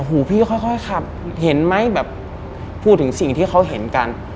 หูพี่ก็ค่อยขับเห็นไหมแบบพูดถึงสิ่งที่เขาเห็นกัน